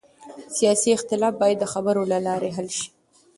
سیاسي اختلاف باید د خبرو له لارې حل شي